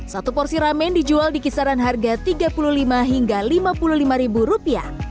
satu porsi ramen dijual di kisaran harga tiga puluh lima hingga lima puluh lima ribu rupiah